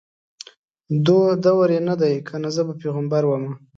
دور یې نه دی کنه زه به پیغمبره ومه